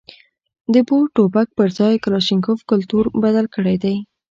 د بور ټوپک پر ځای کلاشینکوف کلتور بدل کړی دی.